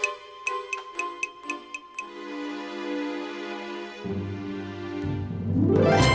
aku baru aja atau masih mau vielleicht